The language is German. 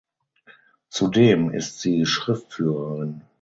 Zudem ist sie Schriftführerin.